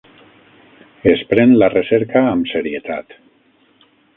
Es pren la recerca amb serietat.